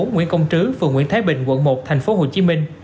nguyễn công trứ phường nguyễn thái bình quận một tp hcm